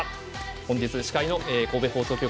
本日司会の神戸放送局